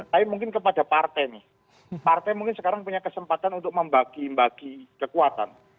tapi mungkin kepada partai nih partai mungkin sekarang punya kesempatan untuk membagi bagi kekuatan